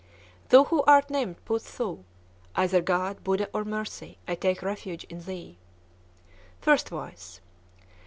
(Thou who art named Poot tho! either God, Buddha, or Mercy, I take refuge in thee.) _First Voice.